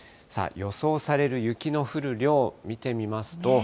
予想される雪の降る量、見てみますと。